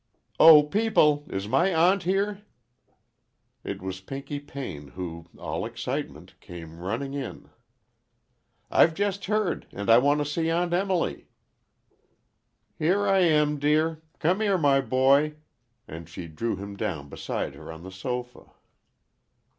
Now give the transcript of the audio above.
"Oh, people, is my aunt here?" It was Pinky Payne, who, all excitement, came running in. "I've just heard, and I want to see Aunt Emily." "Here I am, dear. Come here, my boy," and she drew him down beside her on the sofa.